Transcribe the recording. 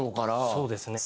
そうですね。